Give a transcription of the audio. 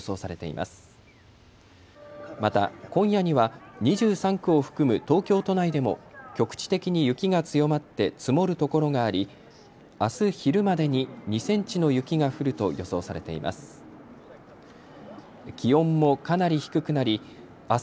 また今夜には２３区を含む東京都内でも局地的に雪が強まって積もるところがありあす昼までに２センチの雪が降ると予想されています。